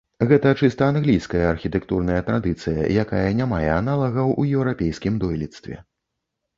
Гэта чыста англійская архітэктурная традыцыя, якая не мае аналагаў у еўрапейскім дойлідстве.